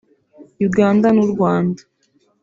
Uganda n’u Rwanda